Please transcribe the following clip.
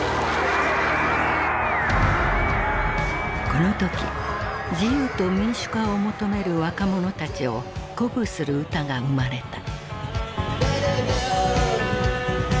この時自由と民主化を求める若者たちを鼓舞する歌が生まれた。